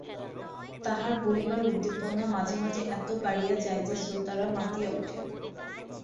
তাঁহার বলিবার উদ্দীপনা মাঝে মাঝে এত বাড়িয়া যায় যে, শ্রোতারা মাতিয়া উঠে।